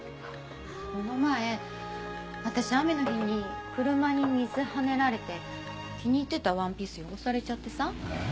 この前私雨の日に車に水はねられて気に入ってたワンピース汚されちゃってさえっ